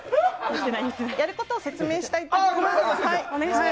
やることを説明したいと思います。